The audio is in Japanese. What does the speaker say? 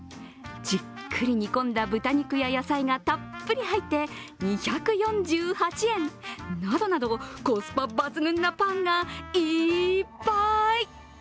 じっくり煮込んだ豚肉や野菜がたっぷり入って２４８円、などなどコスパ抜群なパンがいっぱい。